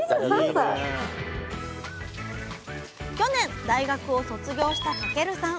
去年大学を卒業した翔さん。